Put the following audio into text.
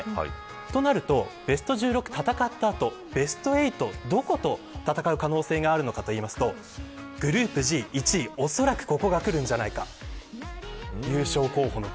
そうするとベスト１６で戦った後ベスト８、どこと戦う可能性があるかというとグループＧの１位、恐らくここがくるんじゃないか。